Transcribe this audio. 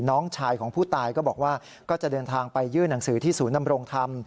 น้องชายของผู้ตายก็บอกว่าก็จะเดินทางไปยื่นหนังสือที่ศูนย์นำรงธรรม